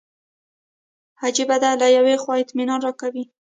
عجیبه ده له یوې خوا اطمینان راکوي.